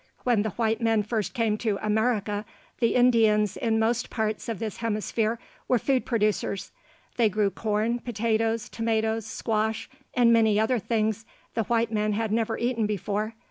When the white men first came to America, the Indians in most parts of this hemisphere were food producers. They grew corn, potatoes, tomatoes, squash, and many other things the white men had never eaten before.